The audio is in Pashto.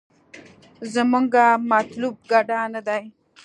زمونګه مطلوب ګډا نه دې.